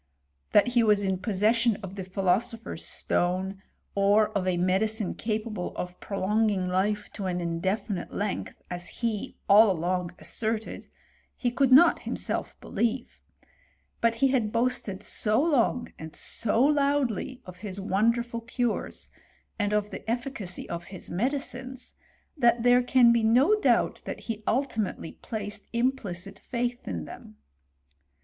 That he was in poB« session of the philosopher*s stone, or of a medicine capable of prolonging life to ati indefinite len^h, at CHEMISTRY OF PARACZLiUS. 161 he all along asserted, he could not himself believe ; but he had boasted so long and so loudly of his won derful cures, and of the efficacy of his medicines, that there can be no doubt that he ultimately placed im plicit faith in them.